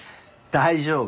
大丈夫。